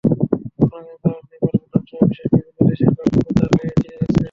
বাংলাদেশ, ভারত, নেপাল, ভুটানসহ বিশ্বের বিভিন্ন দেশের বাঘ পাচার হয়ে চীনে যাচ্ছে।